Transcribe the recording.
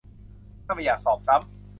ถ้าไม่อยากสอบซ้ำ